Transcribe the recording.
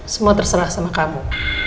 semua terserah sama kamu